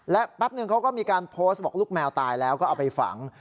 และแป๊บนึงเขาก็มีการโพสต์บอกลูกแมวตายแล้วก็เอาไปฝัง